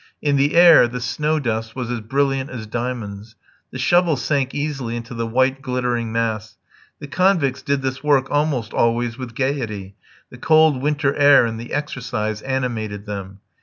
In the air the snow dust was as brilliant as diamonds. The shovel sank easily into the white glittering mass. The convicts did this work almost always with gaiety, the cold winter air and the exercise animated them.